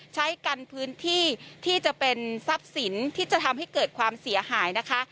ใช้กันพื้นที่ที่จะเป็นทรัพย์สินที่จะทำให้เกิดความเสียหายนะคะ